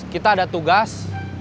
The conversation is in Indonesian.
kita ada tugas